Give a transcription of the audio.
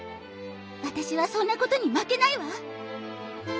私はそんなことに負けないわ。